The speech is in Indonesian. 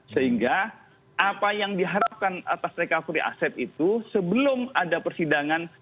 sehingga apa yang diharapkan atas recovery aset itu sebelum ada persidangan